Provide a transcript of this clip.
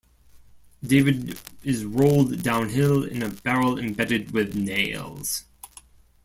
David is rolled downhill in a barrel embedded with nails.